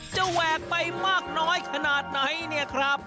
จะแวกไปมากน้อยขนาดไหนครับ